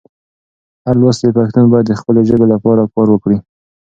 هر لوستی پښتون باید د خپلې ژبې لپاره کار وکړي.